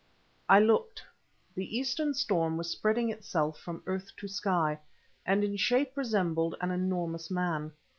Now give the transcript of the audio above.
I looked; the eastern storm was spreading itself from earth to sky, and in shape resembled an enormous man.